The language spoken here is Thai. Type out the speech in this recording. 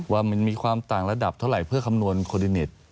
ว่ามันมีความต่างระดับเท่าไหร่เพื่อคำนวณโคดิเน็ต